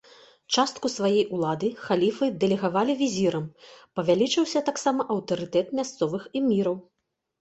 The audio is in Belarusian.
Частку сваёй улады халіфы дэлегавалі візірам, павялічыўся таксама аўтарытэт мясцовых эміраў.